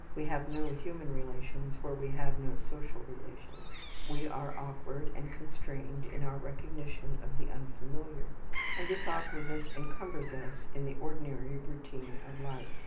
We have no human relations where we have no social relations; we are awkward and constrained in our recognition of the unfamiliar; and this awkwardness encumbers us in the ordinary routine of life.